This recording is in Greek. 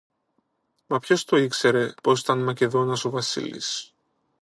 Μα ποιος το ήξερε πως ήταν Μακεδόνας ο Βασίλης!